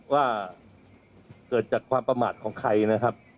ว่าเกิดจากความประมาทของใครนะครับ